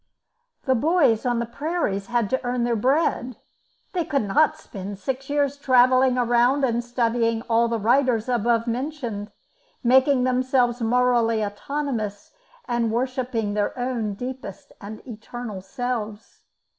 The boys on the prairies had to earn their bread; they could not spend six years travelling around and studying all the writers above mentioned, making themselves morally autonomous, and worshipping their own deepest and eternal selves.